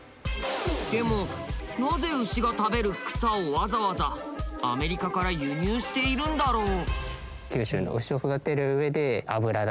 でもなぜ牛が食べる草をわざわざアメリカから輸入しているんだろう？